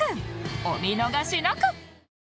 お見逃しなく！